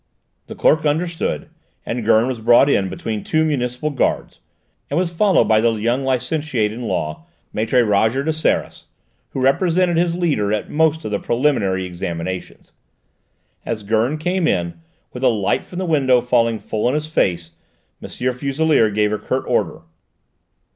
The clerk understood, and Gurn was brought in between two municipal guards, and was followed by the young licentiate in law, Maître Roger de Seras, who represented his leader at most of these preliminary examinations. As Gurn came in, with the light from the window falling full on his face, M. Fuselier gave a curt order.